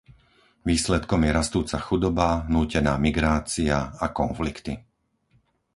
Výsledkom je rastúca chudoba, nútená migrácia a konflikty.